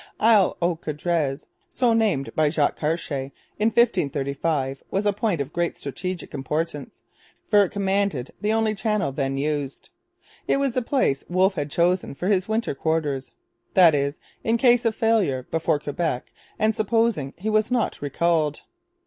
Isle aux Coudres, so named by Jacques Cartier in 1535, was a point of great strategic importance; for it commanded the only channel then used. It was the place Wolfe had chosen for his winter quarters, that is, in case of failure before Quebec and supposing he was not recalled.